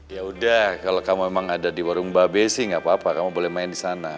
yaudah kalo kamu emang ada di warung mbak be sih gak apa apa kamu boleh main di sana